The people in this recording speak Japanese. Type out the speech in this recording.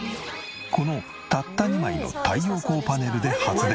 このたった２枚の太陽光パネルで発電。